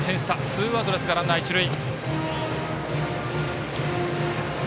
ツーアウトですがランナー、一塁。